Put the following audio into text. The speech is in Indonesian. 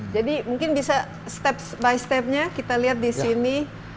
jadi mungkin bisa step by step nya kita lihat di sini